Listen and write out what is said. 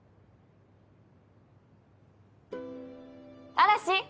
嵐。